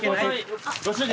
ご主人。